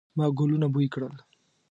ما ګلونه بوی کړل